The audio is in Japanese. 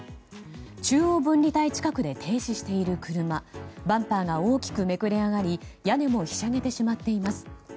中央分離帯近くで停止している車バンパーが大きくめくれ上がり屋根もひしゃげてしまっています。